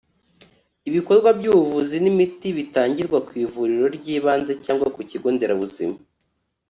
ibikorwa by'ubuvuzi n'imiti bitangirwa ku ivuriro ry'ibanze cyangwa ku kigo nderabuzima